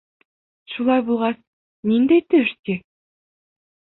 — Шулай булғас, ниндәй төш ти?